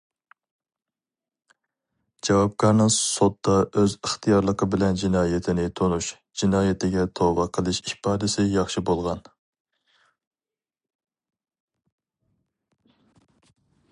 جاۋابكارنىڭ سوتتا ئۆز ئىختىيارلىقى بىلەن جىنايىتىنى تونۇش، جىنايىتىگە توۋا قىلىش ئىپادىسى ياخشى بولغان.